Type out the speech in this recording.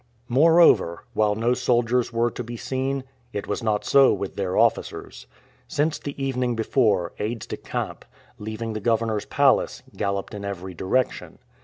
Moreover, while no soldiers were to be seen, it was not so with their officers. Since the evening before, aides decamp, leaving the governor's palace, galloped in every direction.